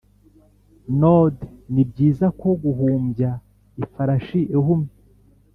nod nibyiza nko guhumbya ifarashi ihumye